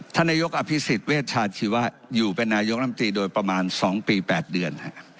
ท่านนายกอภิษฎเวชาชีวะอยู่เป็นนายกรัมตรีโดยประมาณ๒ปี๘เดือน